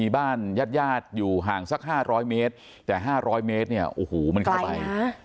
บ้านญาติอยู่ห่างสัก๕๐๐เมตรแต่๕๐๐เมตรเนี่ยโอ้โหมันเข้าไป